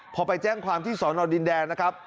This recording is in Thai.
พอไปแจ้งความที่สอนอดินแดงนะครับ